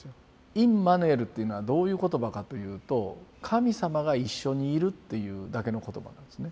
インマヌエルっていうのはどういう言葉かというと神様が一緒にいるっていうだけの言葉なんですね。